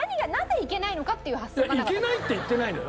いけないって言ってないのよ。